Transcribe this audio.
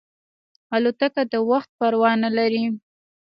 الوتکه د وخت پروا نه لري.